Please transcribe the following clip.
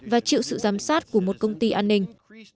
và chịu sự giám sát của một công ty an ninh